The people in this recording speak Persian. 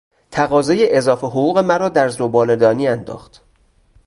تقاضای اضافه حقوق مرا در زبالهدانی انداخت!